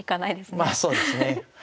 まあそうですね。